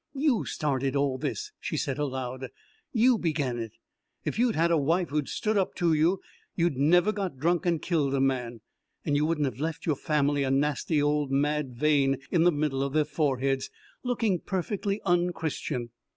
"You started all this," she said aloud. "You began it. If you'd had a wife who'd've stood up to you you'd never got drunk and killed a man, and you wouldn't have left your family a nasty old mad vein in the middle of their foreheads, looking perfectly unChristian.